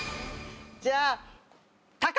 じゃあ。